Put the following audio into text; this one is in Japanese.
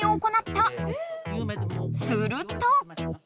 すると！